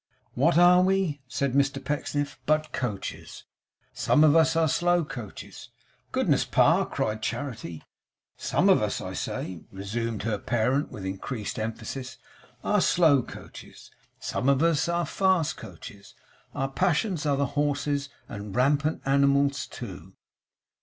'What are we?' said Mr Pecksniff, 'but coaches? Some of us are slow coaches' 'Goodness, Pa!' cried Charity. 'Some of us, I say,' resumed her parent with increased emphasis, 'are slow coaches; some of us are fast coaches. Our passions are the horses; and rampant animals too